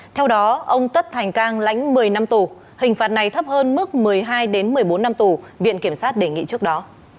theo đó ông tất thành cang lãnh một mươi năm tù hình phạt này thấp hơn mức một mươi hai một mươi bốn năm tù viện kiểm sát đề nghị trước đó